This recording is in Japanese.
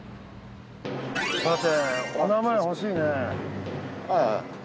さてお名前欲しいね。